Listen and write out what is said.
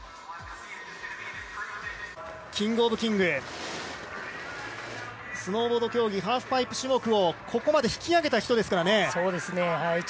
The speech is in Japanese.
キングオブキングスノーボード競技ハーフパイプ種目をここまで引き上げた人ですからね。